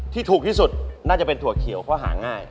ถูกที่สุดน่าจะเป็นถั่วเขียวเพราะหาง่าย